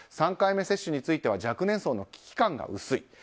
３回目接種については若年層の危機感が薄い。